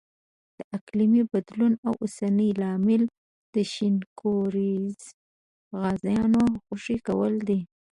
د اقلیمي بدلون اوسنی لامل د شینکوریزو غازونو خوشې کول دي.